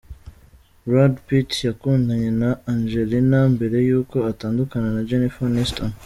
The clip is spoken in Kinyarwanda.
Brad Pitt yakundanye na Angelina mbere y’uko atandukana na Jennifer Aniston.